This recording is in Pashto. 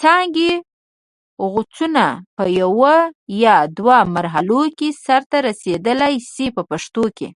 څانګې غوڅونه په یوه یا دوه مرحلو کې سرته رسیدلای شي په پښتو کې.